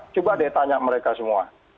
coba deh tanya mereka semua